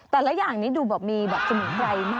แต่ประหลาดยังดูจะมีจมูกใบ่มาก